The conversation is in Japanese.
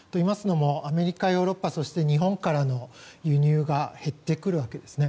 アメリカ、ヨーロッパ日本からの輸入が減ってくるわけですね。